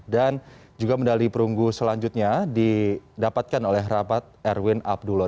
juga medali perunggu selanjutnya didapatkan oleh rapat erwin abdullah